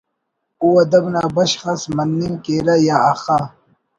او ادب نا بشخ اس مننگ کیرہ یا آخا